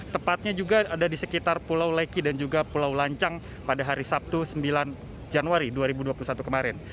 tepatnya juga ada di sekitar pulau leki dan juga pulau lancang pada hari sabtu sembilan januari dua ribu dua puluh satu kemarin